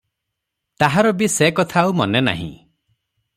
ତାହାର ବି ସେ କଥା ଆଉ ମନେ ନାହିଁ ।